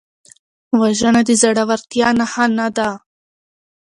وژنه د زړورتیا نښه نه ده